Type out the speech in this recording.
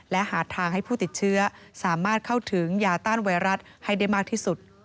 และหาทางให้ผู้ติดเชื้อสามารถเข้าถึงยาต้านไวรัสให้ได้มากที่สุด